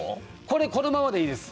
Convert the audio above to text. これこのままでいいです。